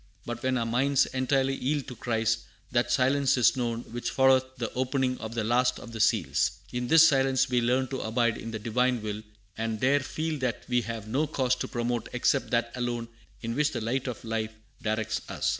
But when our minds entirely yield to Christ, that silence is known which followeth the opening of the last of the seals. In this silence we learn to abide in the Divine will, and there feel that we have no cause to promote except that alone in which the light of life directs us."